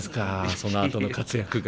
そのあとの活躍が。